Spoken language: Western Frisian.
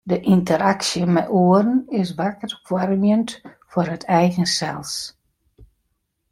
De ynteraksje mei oaren is wakker foarmjend foar it eigen sels.